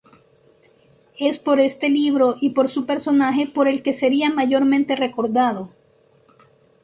Es por este libro y por su personaje por el que sería mayormente recordado.